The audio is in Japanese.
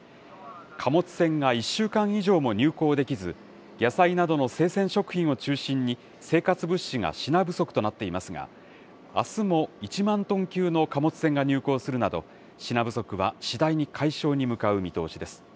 貨物船が１週間以上も入港できず、野菜などの生鮮食品を中心に生活物資が品不足となっていますが、あすも１万トン級の貨物船が入港するなど、品不足は次第に解消に向かう見通しです。